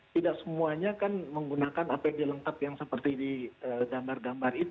tidak semuanya kan menggunakan apd lengkap yang seperti di gambar gambar itu